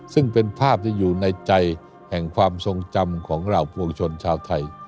ซึ่งเป็นภาพที่อยู่ในใจแห่งความทรงจำของเหล่าปวงชนชาวไทย